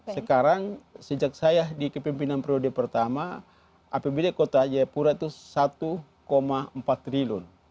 sekarang sejak saya di kepimpinan periode pertama apbd kota jayapura itu satu empat triliun